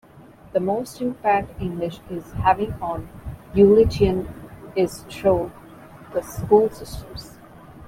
The most impact English is having on Ulithian is through the school systems.